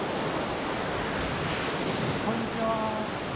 こんにちは。